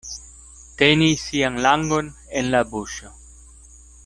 Teni sian langon en la buŝo.